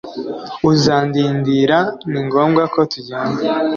uzandindira ni ngombwa ko tujyana